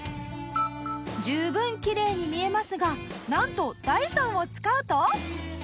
十分きれいに見えますがなんとダイソンを使うと。